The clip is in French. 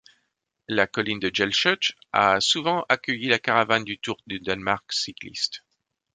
La colline de Jelshøj a souvent accueilli la caravane du Tour du Danemark cycliste.